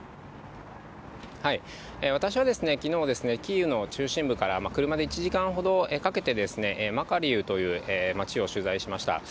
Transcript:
私はきのう、キーウの中心部から車で１時間ほどかけて、マカリウという街を取材しました。